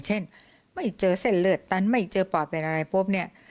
เช่นไม่เจอเส้นเลือดตันไม่เจอปอดเป็นอะไรปุ๊บเนี่ย